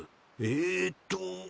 えっと。